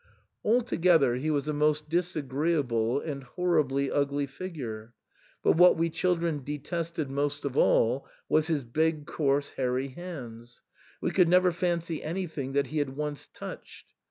Altogether he was a most disagreeable and horribly ugly figure ; but what we children detested most of all was his big coarse hairy hands ; we could never fancy an3rthing that he had once touched.